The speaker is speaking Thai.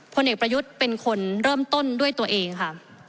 พลเอกประยุทธ์เป็นคนเริ่มต้นด้วยตัวเองค่ะ